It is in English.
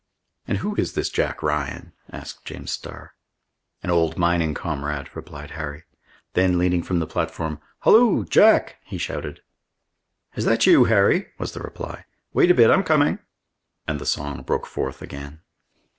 "And who is this Jack Ryan?" asked James Starr. "An old mining comrade," replied Harry. Then leaning from the platform, "Halloo! Jack!" he shouted. "Is that you, Harry?" was the reply. "Wait a bit, I'm coming." And the song broke forth again.